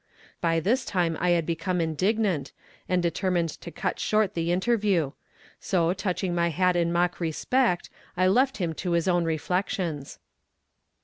By this time I had become indignant, and determined to cut short the interview; so touching my hat in mock respect, I left him to his own reflections.